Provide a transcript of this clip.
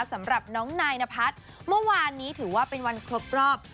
สำหรับน้องนายนพัฒน์เมื่อวานนี้ถือว่าเป็นวันครบรอบ